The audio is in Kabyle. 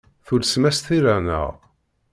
Tulsem-as tira, naɣ?